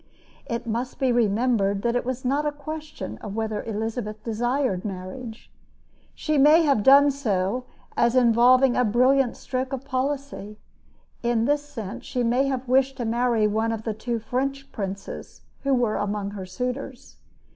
It must be remembered that it was not a question of whether Elizabeth desired marriage. She may have done so as involving a brilliant stroke of policy. In this sense she may have wished to marry one of the two French princes who were among her suitors.